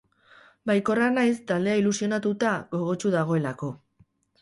Baikorra naiz taldea ilusionatuta, gogotsu dagoelako.